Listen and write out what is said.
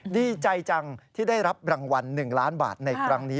ดีใจจังที่ได้รับรางวัล๑ล้านบาทในครั้งนี้